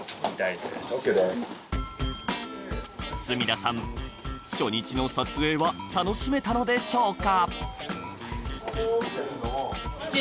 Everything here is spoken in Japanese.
住田さん初日の撮影は楽しめたのでしょうか？